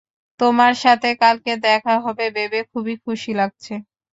তোমার সাথে কালকে দেখা হবে ভেবে খুবই খুশি লাগছে।